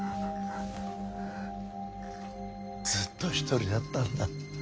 ずっと一人だったんだ。